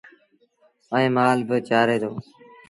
ائيٚݩ مآل با چآري دو